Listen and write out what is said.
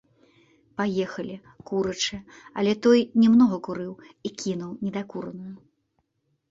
Паехалі, курачы, але той не многа курыў і кінуў недакураную.